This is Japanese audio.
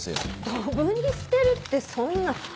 ドブに捨てるってそんな。